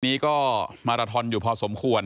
นี้ก็มาราทอนอยู่พอสมควร